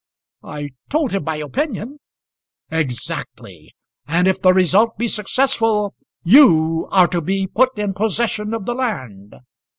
"I told him my opinion." "Exactly. And if the result be successful, you are to be put in possession of the land."